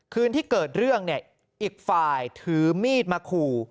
คืนที่เกิดเรื่องเนี่ยอีกฝ่ายถือมีดมาขู่